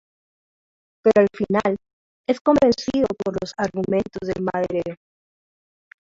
Pero al final, es convencido por los argumentos del maderero.